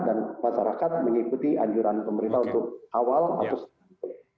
dan masyarakat mengikuti anjuran pemerintah untuk awal atau selanjutnya